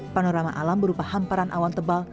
panorama alam berupa hamparan awan tebal